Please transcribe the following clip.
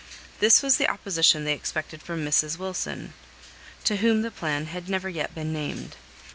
This was the opposition they expected from Mrs. Wilson, to whom the plan had never yet been named.